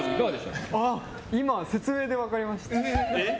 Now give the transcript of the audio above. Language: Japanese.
今、説明で分かりました。